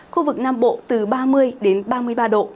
khu vực nam bộ từ ba mươi đến ba mươi ba độ